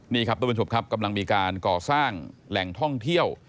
นี่ครับทุกผู้ชมครับกำลังมีการก่อสร้างแหล่งท่องเที่ยว